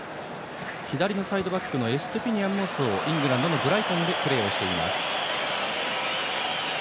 左のサイドバックのエストゥピニャンもイングランドのブライトンでプレーしています。